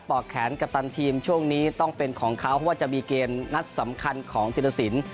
อกแขนกัปตันทีมช่วงนี้ต้องเป็นของเขาเพราะว่าจะมีเกมนัดสำคัญของธิรสิน